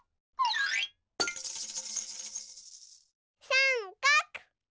さんかく！